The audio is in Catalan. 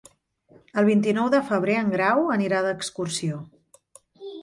El vint-i-nou de febrer en Grau anirà d'excursió.